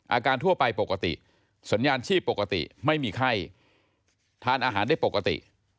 ทั่วไปปกติสัญญาณชีพปกติไม่มีไข้ทานอาหารได้ปกติ